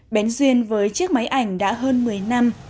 bén duyên với chiếc máy ảnh đã hơn một mươi năm